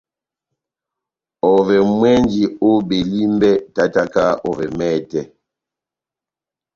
Ovɛ mwɛ́nji ó Belimbè, tátáka ovɛ mɛtɛ,